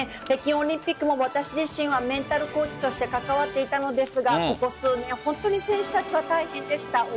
北京オリンピックも私自身はメンタルコーチとして関わっていたのですがここ数年本当に選手たちは大変でした。